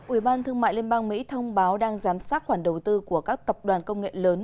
ủy ban thương mại liên bang mỹ thông báo đang giám sát khoản đầu tư của các tập đoàn công nghệ lớn